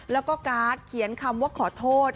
แล้วก็การ์ดเขียนคำว่าขอโทษ